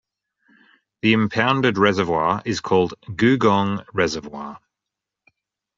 The impounded reservoir is called Googong Reservoir.